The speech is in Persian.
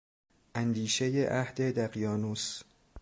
اندیشههای عهد دقیانوس